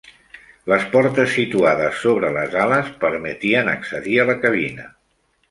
Les portes situades sobre les ales permetien accedir a la cabina.